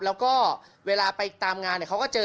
แล้วก็เวลาไปตามงานเขาก็เจอ